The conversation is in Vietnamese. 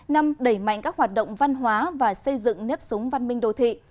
năm đẩy mạnh các hoạt động văn hóa và xây dựng nếp súng văn minh đồ thị